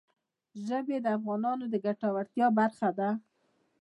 ژبې د افغانانو د ګټورتیا برخه ده.